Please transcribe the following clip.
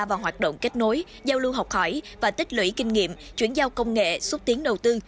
và hoạt động kết nối giao lưu học hỏi và tích lũy kinh nghiệm chuyển giao công nghệ xúc tiến đầu tư